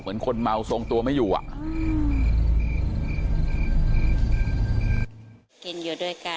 เหมือนคนเมาทรงตัวไม่อยู่